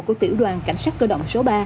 của tiểu đoàn cảnh sát cơ động số ba